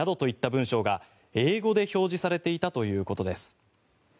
文章が英語で表示されていたということです。